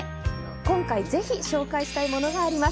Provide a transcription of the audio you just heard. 今回、ぜひ紹介したいものがあります。